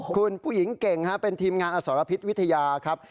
คุณผู้หญิงเก่งเป็นทีมงานอสรพิษวิทยาครับ